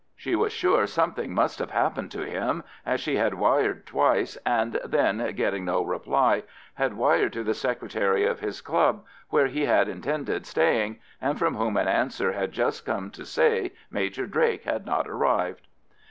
She was sure something must have happened to him, as she had wired twice, and then, getting no reply, had wired to the secretary of his club, where he had intended staying, and from whom an answer had just come to say Major Drake had not arrived.